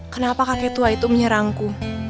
kenapa kakek tua itu menyerangku